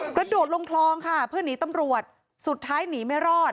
กระโดดลงคลองค่ะเพื่อหนีตำรวจสุดท้ายหนีไม่รอด